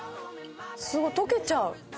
すごい溶けちゃう。